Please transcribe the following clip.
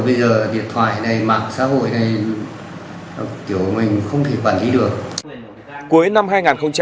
bây giờ điện thoại này mạng xã hội này kiểu mình không thể quản lý được